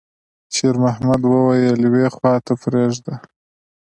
شېرمحمد وويل: «يوې خواته پرېږده.»